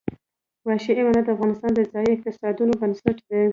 وحشي حیوانات د افغانستان د ځایي اقتصادونو بنسټ دی.